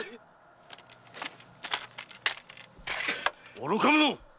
愚か者！